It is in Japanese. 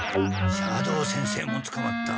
斜堂先生もつかまった。